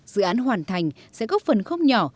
dự án hoàn thành sẽ gốc phần khốc nhỏ